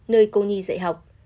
nơi cô nhi dạy học